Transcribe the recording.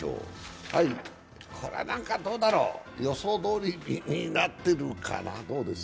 これはどうだろう、予想どおりになってるかな。